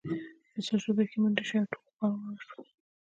په څو شیبو کې منډې شوې او ټول خواره واره شول